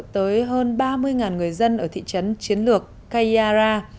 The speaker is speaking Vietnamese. tới hơn ba mươi người dân ở thị trấn chiến lược kayyara